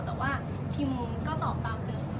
แต่ว่าพิมก็ตอบตามเดิม